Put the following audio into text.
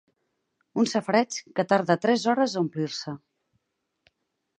Un safareig que tarda tres hores a omplir-se.